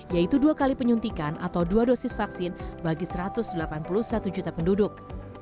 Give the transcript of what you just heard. yaitu dua kali penyuntikan atau dua dosis vaksin bagi satu ratus delapan puluh satu juta penduduk